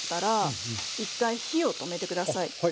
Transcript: はい。